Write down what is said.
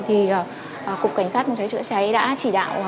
thì cục cảnh sát phòng cháy chữa cháy đã chỉ đạo